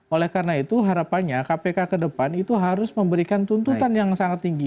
oleh karena itu harapannya kpk ke depan itu harus memberikan tuntutan yang sangat tinggi